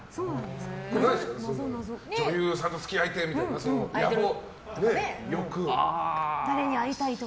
女優さんと付き合いたいみたいな野望。